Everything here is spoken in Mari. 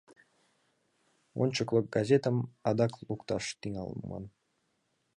«Ончыклык» газетым адак лукташ тӱҥалман.